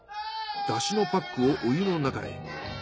出汁のパックをお湯の中へ。